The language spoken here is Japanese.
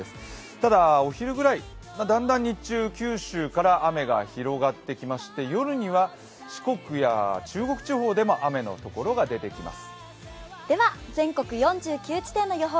ただ、お昼ぐらい、だんだん日中、九州から雨が広がってきまして、夜には四国や中国地方でも雨の所が出てきます。